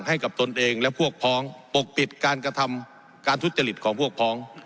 ให้กับตนเองและพวกพร้องปกปิดการกระทำการทุษฎะฤทธิ์ของพวกพร้อม